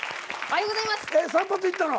散髪行ったの？